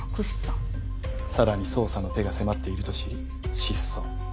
さらに捜査の手が迫っていると知り失踪。